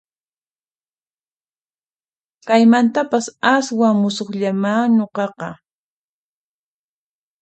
Kaymantapas aswan musuqllamá nuqaqqa